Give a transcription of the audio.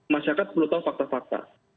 masyarakat perlu tahu fakta fakta